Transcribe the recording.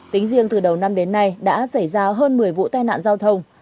tính riêng từ đầu năm đến nay đã xảy ra hơn một mươi vụ tai nạn giao thông